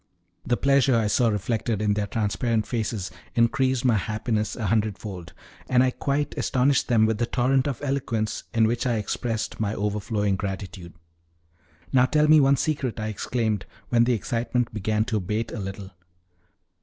The pleasure I saw reflected in their transparent faces increased my happiness a hundredfold, and I quite astonished them with the torrent of eloquence in which I expressed my overflowing gratitude. "Now, tell me one secret," I exclaimed, when the excitement began to abate a little.